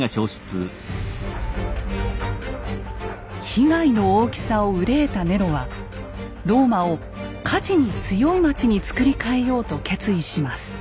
被害の大きさを憂えたネロはローマを火事に強い町に造り替えようと決意します。